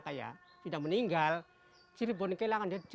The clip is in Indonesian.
kita meninggal cerebon kehilangan